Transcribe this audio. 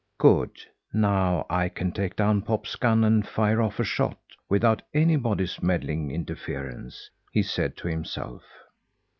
"Good! Now I can take down pop's gun and fire off a shot, without anybody's meddling interference," he said to himself.